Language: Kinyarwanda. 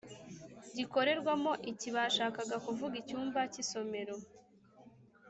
gikorerwamo iki Bashakaga kuvuga icyumba cy isomero